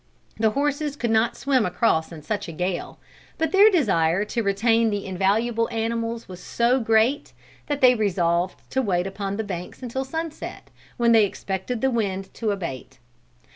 The horses could not swim across in such a gale, but their desire to retain the invaluable animals was so great that they resolved to wait upon the banks until sunset, when they expected the wind to abate.